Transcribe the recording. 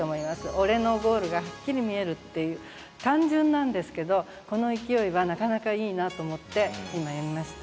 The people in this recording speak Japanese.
「俺のゴールがはっきり見える」っていう単純なんですけどこの勢いはなかなかいいなと思って今読みました。